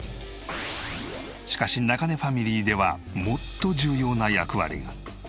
しかし中根ファミリーではもっと重要な役割が。